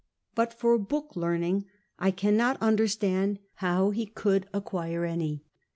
But for book learning I cannot understand how ho could acquire any.